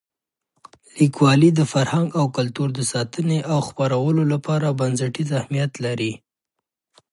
لیکوالی د فرهنګ او کلتور د ساتنې او خپرولو لپاره بنسټیز اهمیت لري.